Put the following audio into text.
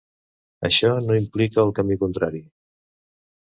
Això no implica el camí contrari.